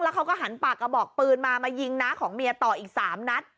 เขาก็หันปากกระบอกปืนมามายิงน้าของเมียต่ออีก๓นัด